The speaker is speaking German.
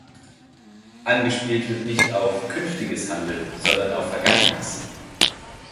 Angespielt wird nicht auf künftiges Handeln, sondern auf vergangenes.